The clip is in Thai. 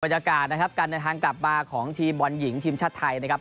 บรรยากาศนะครับการเดินทางกลับมาของทีมบอลหญิงทีมชาติไทยนะครับ